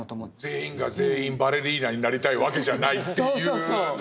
全員が全員バレリーナになりたいわけじゃないっていうところから。